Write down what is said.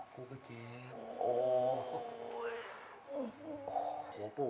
ผู้เจ็บ